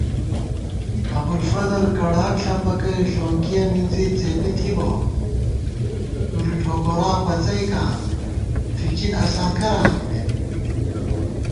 ابُوالفضل کڑاک ݪپَکَئ ݪونکِیَہ مِنزی څېپی تھِبہ * څُری ٹھوکورا پڅَئیکاں فِچِن اساں کرہ آنِمېت